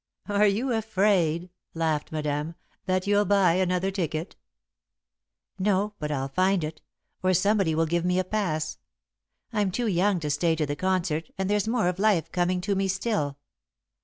"Are you afraid," laughed Madame, "that you'll buy another ticket?" "No, but I'll find it, or somebody will give me a pass. I'm too young to stay to the concert and there's more of life coming to me still.